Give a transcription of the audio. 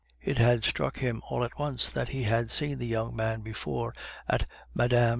It had struck him all at once that he had seen the young man before at Mme.